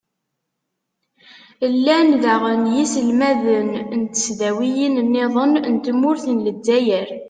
llan daɣen yiselmaden n tesdawin-nniḍen n tmurt n lezzayer.